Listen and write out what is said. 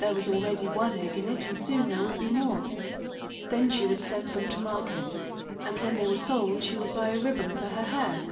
There was already one egg in it and soon there would be more. Then she would send them to market; and when they were sold she would buy a ribbon for her hair.